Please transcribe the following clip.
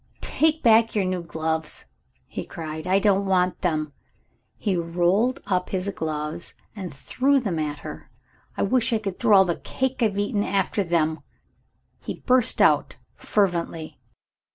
"Take back your new gloves," he cried, "I don't want them!" He rolled up his gloves, and threw them at her. "I wish I could throw all the cake I've eaten after them!" he burst out fervently.